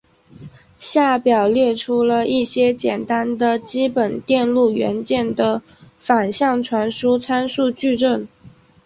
下表列出了一些简单的基本电路元件的反向传输参数矩阵。